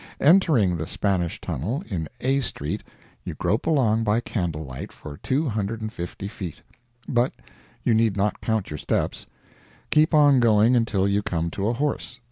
Entering the Spanish tunnel in A street, you grope along by candle light for two hundred and fifty feet—but you need not count your steps—keep on going until you come to a horse.